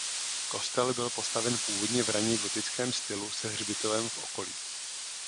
Kostel byl postaven původně v raně gotickém stylu se hřbitovem v okolí.